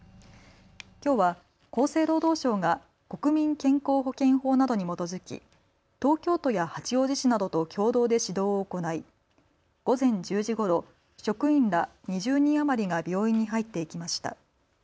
きょうは厚生労働省が国民健康保険法などに基づき東京都や八王子市などと共同で指導を行い午前１０時ごろ職員ら２０人余りが病院に入っていきました。